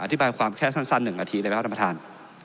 อธิบายความแค่สั้น๑นาทีได้ไหมครับท่านประธาน